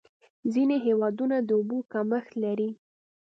ځینې هېوادونه د اوبو کمښت لري.